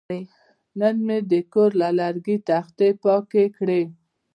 نن مې د کور د لرګي تختې پاکې کړې.